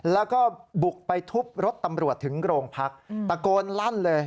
แล้วก็บุกไปทุบรถตำรวจถึงโรงพักตะโกนลั่นเลย